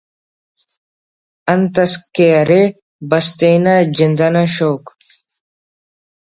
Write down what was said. انت اس کہ ارے بس تینا جند انا شوق